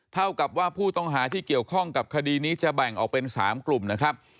เท่ากับว่าผู้ต้องหาที่เกี่ยวข้องกับคดีนี้จะแบ่งออกเป็น๓กลุ่มนะครับ